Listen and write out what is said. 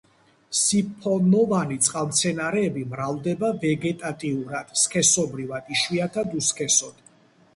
სიფონოვანი წყალმცენარეები მრავლდება ვეგეტატიურად, სქესობრივად, იშვიათად უსქესოდ.